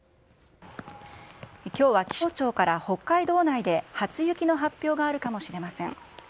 きょうは気象庁から北海道内で初雪の発表があるかもしれません。